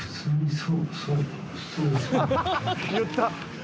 言った！